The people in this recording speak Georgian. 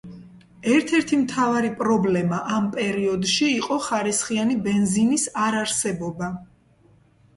ერთ-ერთი მთავარი პრობლემა ამ პერიოდში იყო ხარისხიანი ბენზინის არარსებობა.